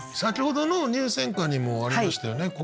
先ほどの入選歌にもありましたよね。